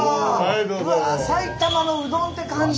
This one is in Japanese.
埼玉のうどんって感じ。